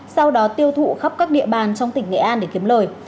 sau đó tiêu thụ khắp các địa bàn trong tỉnh nghệ an để kiếm lời